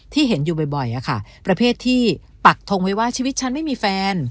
ที่เห็นอยู่บ่อยประเภทที่ปักทงไว้ว่าชีวิตฉันไม่มีแฟน